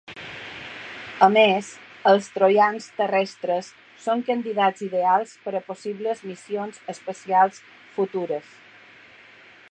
A més, els troians terrestres són candidats ideals per a possibles missions espacials futures.